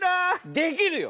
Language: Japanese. できるよ！